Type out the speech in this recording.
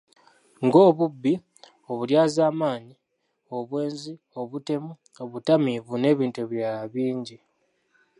Ng'obubbi, obulyazaamaanyi, obwenzi, obutemu, obutamiivu n'ebintu ebirala bingi.